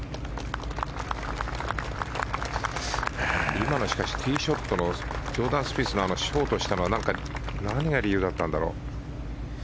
今のティーショットのジョーダン・スピースのあのショートしたのは何が理由だったんだろう。